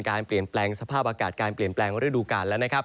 การเปลี่ยนแปลงสภาพอากาศการเปลี่ยนแปลงฤดูกาลแล้วนะครับ